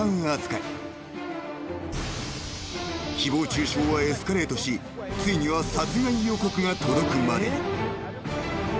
［誹謗中傷はエスカレートしついには殺害予告が届くまでに］